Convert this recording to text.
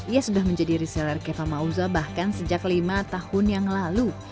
ia sudah menjadi reseller keva mauza bahkan sejak lima tahun yang lalu